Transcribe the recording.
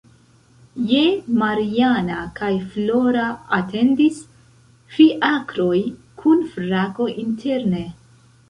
Je Mariana kaj Flora atendis ﬁakroj kun frako interne.